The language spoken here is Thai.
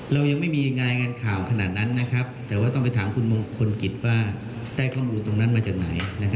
เรายังไม่มีรายงานข่าวขนาดนั้นแต่ว่าต้องไปถามคุณมงคลกิจว่าได้ข้อมูลตรงนั้นมาจากไหน